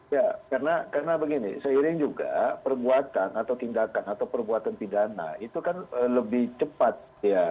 ya karena begini seiring juga perbuatan atau tindakan atau perbuatan pidana itu kan lebih cepat ya